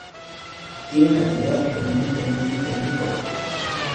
Tiene una actividad eminentemente agrícola.